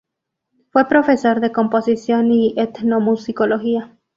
Fue profesor de composición y etnomusicología.